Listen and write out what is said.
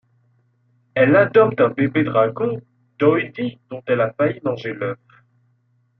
Elle adopte un bébé dragon, Doî-Dee, dont elle a failli manger l'œuf.